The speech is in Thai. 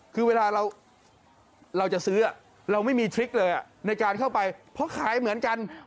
คือเวลาเราจะซื้อเราไม่มีทริคเลยในการเข้าไปเพราะขายเหมือนกัน